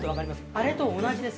あれと同じです。